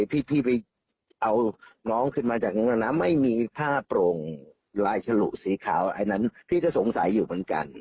พี่ไปเอาน้องขึ้นมาจากนั้นนะไม่มีผ้าโปร่งลายฉลุสีขาวอันนั้นพี่ก็สงสัยอยู่เหมือนกัน